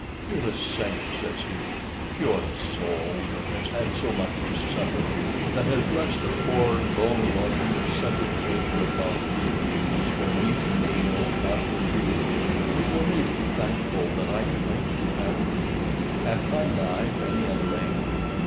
"Dearest saint," says he "purest soul, that has had so much to suffer, that has blest the poor lonely orphan with such a treasure of love. 'Tis for me to kneel, not for you: 'tis for me to be thankful that I can make you happy. Hath my life any other aim?